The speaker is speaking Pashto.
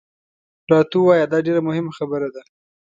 راته ووایه، دا ډېره مهمه خبره ده.